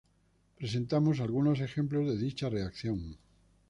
Presentamos algunos ejemplos de dicha reacción.